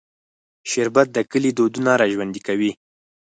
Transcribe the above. شربت د کلي دودونه راژوندي کوي